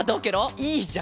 いいじゃん！